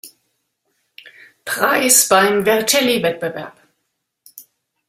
Preis beim Vercelli-Wettbewerb.